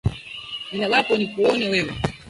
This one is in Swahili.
Nilalapo nikuone wewe